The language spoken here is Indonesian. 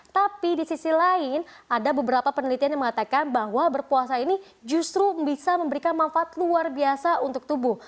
tapi di sisi lain ada beberapa penelitian yang mengatakan bahwa berpuasa ini justru bisa memberikan manfaat luar biasa untuk tubuh